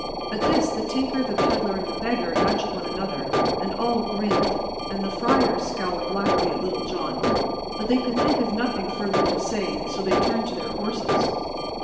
At this the Tinker and the Peddler and the Beggar nudged one another, and all grinned, and the friars scowled blackly at Little John; but they could think of nothing further to say, so they turned to their horses.